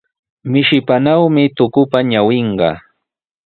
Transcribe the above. Mishipanawmi tukupa ñawinqa.